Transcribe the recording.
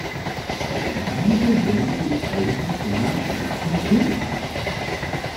Wieso denke ich eigentlich immer, dass du Tim heißt?